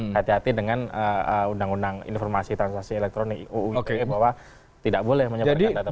hati hati dengan undang undang informasi transaksi elektronik uu ite bahwa tidak boleh menyebutkan data tersebut